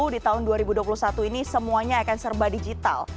di tahun dua ribu dua puluh satu ini semuanya akan serba digital